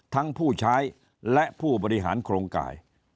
ผู้ใช้และผู้บริหารโครงกาย